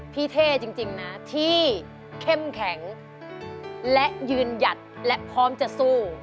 เท่จริงนะที่เข้มแข็งและยืนหยัดและพร้อมจะสู้